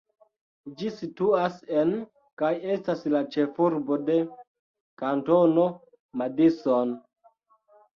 Ĝi situas en, kaj estas la ĉefurbo de, Kantono Madison.